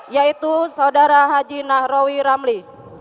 yaitu saudara haji nahrawi ramli